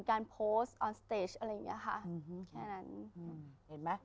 การโพสต์ออนสเตจอะไรอย่างนี้ค่ะ